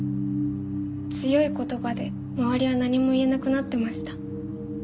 強い言葉で周りは何も言えなくなってました。